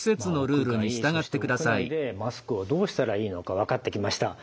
屋外そして屋内でマスクをどうしたらいいのか分かってきました。